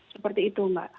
seperti itu mbak